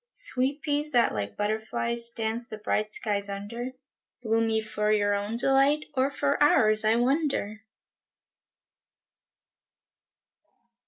Sweet peas that, like butterflies, Dance the bright skies under, Bloom ye for your own delight, Or for ours, I wonder!